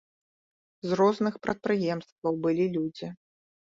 З розных прадпрыемстваў былі людзі.